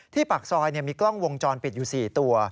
ปากซอยมีกล้องวงจรปิดอยู่๔ตัว